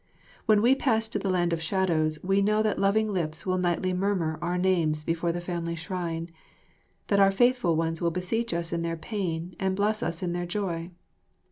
When we pass to the land of shadows we know that loving lips will nightly murmur our names before the family shrine, that our faithful ones will beseech us in their pain and bless us in their joy.